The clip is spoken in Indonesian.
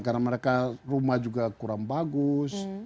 karena mereka rumah juga kurang bagus